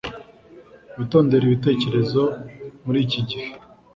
witondere ibitekerezo muri iki gihe.”